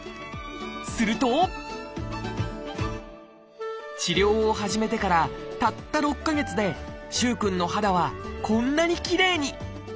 すると治療を始めてからたった６か月で萩くんの肌はこんなにきれいに。